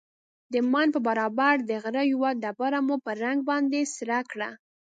د ماين پر برابر د غره يوه ډبره مو په رنگ باندې سره کړه.